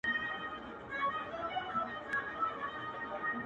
کلونه وروسته هم يادېږي تل,